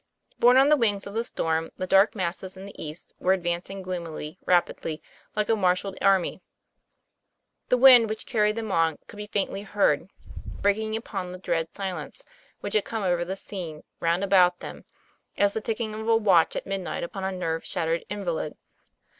Borne on the wings of the storm, the dark masses in the east were advancing gloomily, rapidly, like a marshalled army. The wind which carried them on could be faintly heard, breaking upon the dread silence which had come over the scene round about them, as the ticking of a watch at midnight upon a nerve shattered invalid.